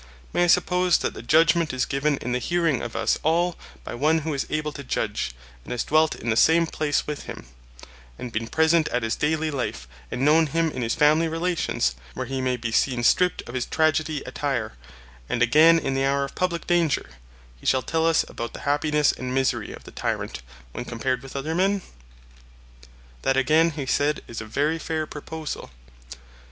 May I suppose that the judgment is given in the hearing of us all by one who is able to judge, and has dwelt in the same place with him, and been present at his dally life and known him in his family relations, where he may be seen stripped of his tragedy attire, and again in the hour of public danger—he shall tell us about the happiness and misery of the tyrant when compared with other men? That again, he said, is a very fair proposal.